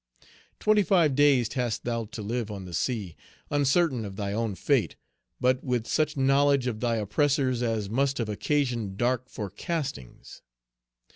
Twenty five days hast thou to live on the sea, uncertain of thy own fate; but with such knowledge of thy oppressors as must have occasioned dark forecastings.